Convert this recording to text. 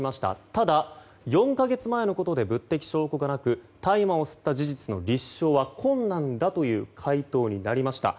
ただ、４か月前のことで物的証拠がなく大麻を吸った事実の立証は困難だという回答になりました。